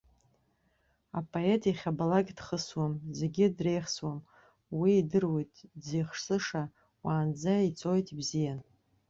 Апоет иахьабалак дхысуам, зегьы дреихсуам, уи идыруеит дзеихсыша, уаанӡа иҵоит ибзианы.